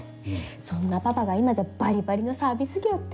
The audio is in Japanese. そんなパパが今じゃバリバリのサービス業って。